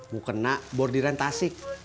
mukena bordiran tasik